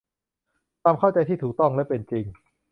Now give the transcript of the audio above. ความเข้าใจที่ถูกต้องและเป็นจริง